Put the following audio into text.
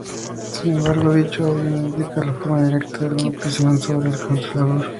Sin embargo, dicho audio no indica de forma directa alguna presión sobre el contralor.